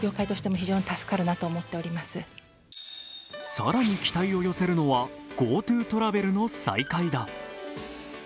更に期待を寄せるのはＧｏＴｏトラベルの再開だ。